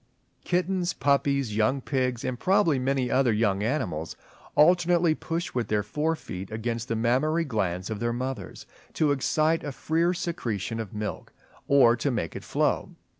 Kittens, puppies, young pigs and probably many other young animals, alternately push with their forefeet against the mammary glands of their mothers, to excite a freer secretion of milk, or to make it flow.